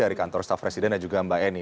dari kantor staff resident dan juga mbak eni